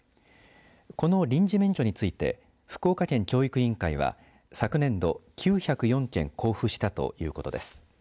この臨時免許について福岡県教育委員会は昨年度、９０４件交付したということです。